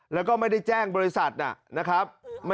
แล้วก็ไม่ได้แจ้งบริษัทนะครับ